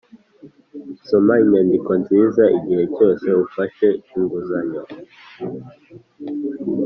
soma inyandiko nziza igihe cyose ufashe inguzanyo.